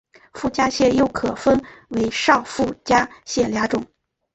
附加线又再可分为上附加线两种。